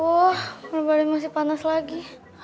aduh malu malu masih panas lagi